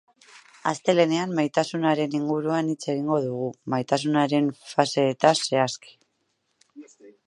Astelehenean maitasunaren inguruan hitz egingo dugu, maitasunaren faseetaz zehazki.